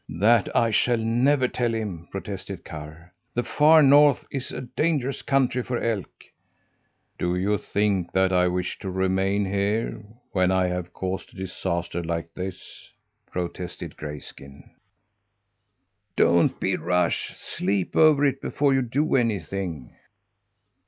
"That I shall never tell him!" protested Karr. "The Far North is a dangerous country for elk." "Do you think that I wish to remain here, when I have caused a disaster like this?" protested Grayskin. "Don't be rash! Sleep over it before you do anything!"